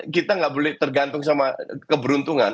kita nggak boleh tergantung sama keberuntungan